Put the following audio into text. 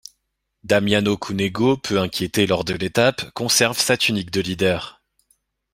Damiano Cunego, peu inquiété lors de l'étape, conserve sa tunique de leader.